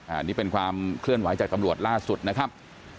อันนี้เป็นความเคลื่อนไหวจากตำรวจล่าสุดนะครับ